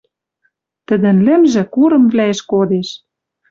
Тӹдӹн лӹмжӹ курымвлӓэш кодеш